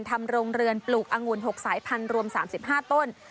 ทำโรงเรือนปลูกอังุ่น๖สายพันธุ์รวม๓๕ต้น